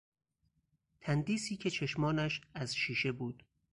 تندیسی که چشمانش از شیشه بود.